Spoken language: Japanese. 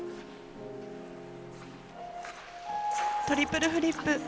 トリプルフリップ。